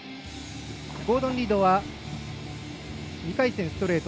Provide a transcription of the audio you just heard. ゴードン・リードは２回戦ストレート。